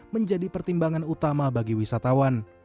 menjadi pertimbangan utama bagi wisatawan